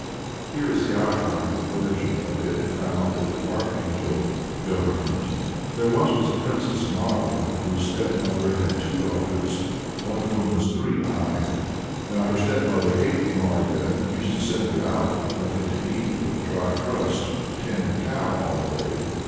Here is the outline of a version of it found in the Archangel Government. There once was a Princess Marya, whose stepmother had two daughters, one of whom was three eyed. Now her stepmother hated Marya, and used to send her out, with nothing to eat but a dry crust, to tend a cow all day.